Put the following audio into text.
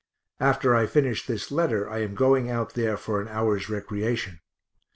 After I finish this letter I am going out there for an hour's recreation.